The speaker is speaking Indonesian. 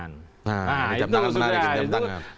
nah itu sudah